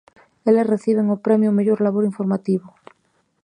Eles reciben o premio ao mellor labor informativo.